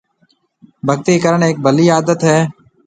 ڀگتِي ڪرڻ هيَڪ ڀلِي عادت هيَ۔